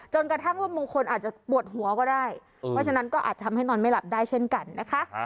กระทั่งว่ามงคลอาจจะปวดหัวก็ได้เพราะฉะนั้นก็อาจทำให้นอนไม่หลับได้เช่นกันนะคะ